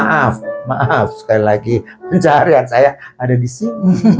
saya tidak mau kehilangan itu karena maaf sekali lagi pencaharian saya ada di sini